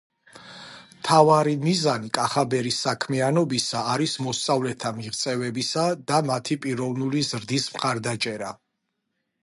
მთავარი მიზანი კახაბერის საქმიანობისა არის მოსწავლეთა მიღწევებისა და მათი პიროვნული ზრდის მხარდაჭერა